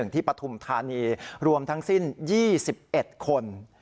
ปฐุมธานีรวมทั้งสิ้น๒๑คน